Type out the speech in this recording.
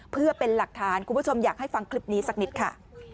เพื่อเป็นหลักฐานคุณผู้ชมอยากให้ฟังคลิปนี้สักนิดค่ะ